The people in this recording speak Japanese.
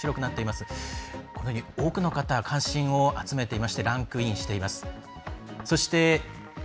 このように多くの方が関心を集めていましてランクインしています。